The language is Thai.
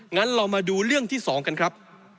งั้นเรามาดูเรื่องที่๒กันครับ